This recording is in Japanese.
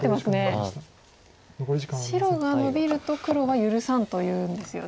白がノビると黒は許さんと言うんですよね。